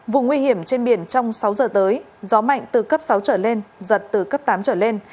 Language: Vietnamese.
vùng nguy hiểm trên biển trong sáu giờ tới gió mạnh từ cấp sáu trở lên giật từ cấp tám trở lên